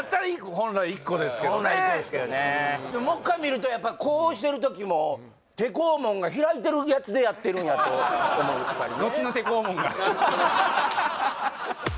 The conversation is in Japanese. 本来１個ですけどねもう一回見るとやっぱこうしてる時も手肛門が開いてるやつでやってるんやと思ったりね・